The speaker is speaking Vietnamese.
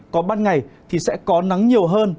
có ban ngày thì sẽ có nắng nhiều hơn